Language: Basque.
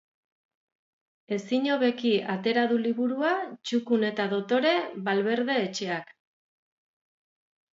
Ezin hobeki atera du liburua, txukun eta dotore, Valverde etxeak.